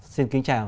xin kính chào